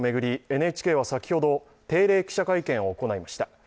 ＮＨＫは先ほど定例記者会見を行いました。